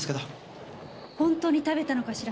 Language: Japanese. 本当に食べたのかしら？